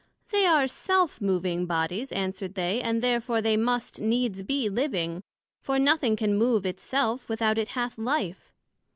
They are Self moving Bodies, answered they, and therefore they must needs be living; for nothing can move it self, without it hath life.